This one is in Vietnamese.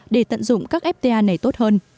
để tận dụng các fta này tốt hơn